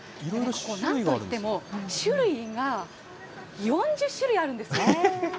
これ、なんといっても種類が４０種類あるんですね。